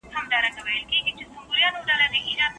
که ته په املا کي ناکام سې نو بیا هڅه وکړه.